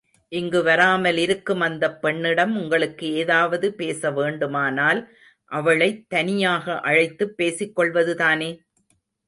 இங்கு வராமல் இருக்கும் அந்தப் பெண்ணிடம் உங்களுக்கு ஏதாவது பேச வேண்டுமானால் அவளைத் தனியாக அழைத்துப் பேசிக் கொள்வதுதானே?